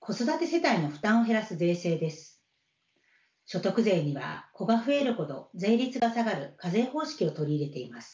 所得税には子が増えるほど税率が下がる課税方式を取り入れています。